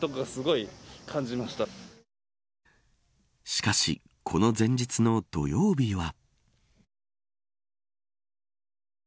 しかし、この前日の土曜日は。